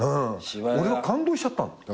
俺は感動しちゃったの。